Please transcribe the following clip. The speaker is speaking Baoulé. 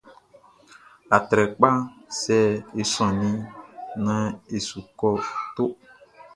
Atrɛkpaʼn, sɛ e sɔnnin naan e su kɔ toʼn.